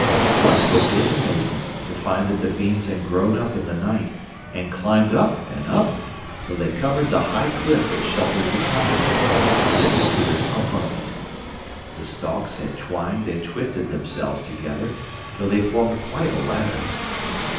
What was his amazement to find that the beans had grown up in the night, and climbed up and up till they covered the high cliff that sheltered the cottage, and disappeared above it! The stalks had twined and twisted themselves together till they formed quite a ladder.